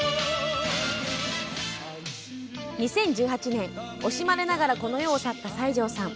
２０１８年、惜しまれながらこの世を去った西城さん。